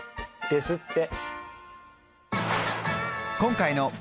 ですって。